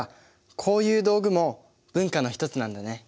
こういう道具も文化の一つなんだね。